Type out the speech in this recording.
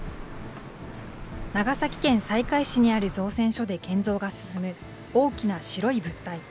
長崎県西海市にある造船所で建造が進む大きな白い物体。